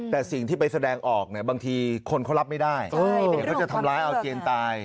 แต่สิ่งที่ไปแสดงออกเนี่ยบางทีคนเขารับไม่ได้เดี๋ยวเขาจะทำร้ายเอาเจียนตาย